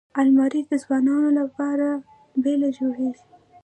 الماري د ځوانو لپاره بېله جوړیږي